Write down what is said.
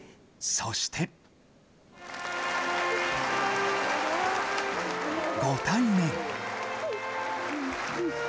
そして。ご対面。